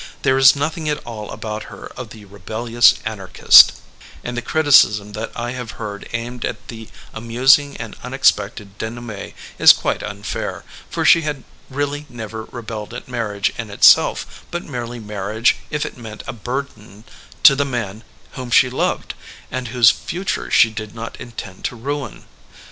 There is nothing at all about her of the rebellious anarchist, and the criticism that I have heard aimed at the amusing and unexpected denouement is quite unfair, for she had really never rebelled at marriage in itself, but merely marriage if it meant a burden to the man whom she loved, and whose future she did not intend to ruin.